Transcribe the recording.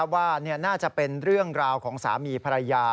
ว่าน่าจะเป็นเรื่องราวของสามีภรรยา